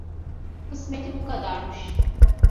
Kısmeti bu kadarmış…